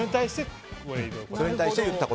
それに対して。